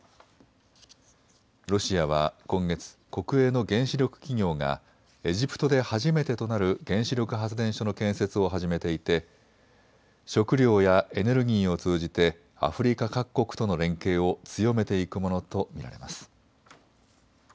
ロシアは今月、国営の原子力企業がエジプトで初めてとなる原子力発電所の建設を始めていて食料やエネルギーを通じてアフリカ各国との連携を強めていくものと見られます。